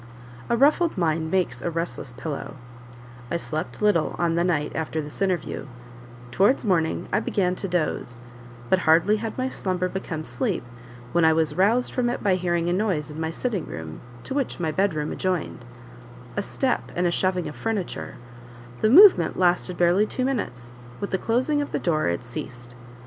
A ruffled mind makes a restless pillow; I slept little on the night after this interview; towards morning I began to doze, but hardly had my slumber become sleep, when I was roused from it by hearing a noise in my sitting room, to which my bed room adjoined a step, and a shoving of furniture; the movement lasted barely two minutes; with the closing of the door it ceased.